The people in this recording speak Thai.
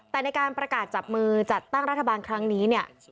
แต่ในการประกาศจับมือจัดตั้งรัฐบาลครั้งนี้เนี่ย